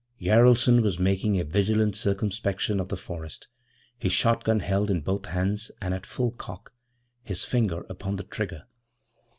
Jaralson was making a vigilant circumspection of the forest, his shotgun held in both hands and at full cock, his finger upon the trigger.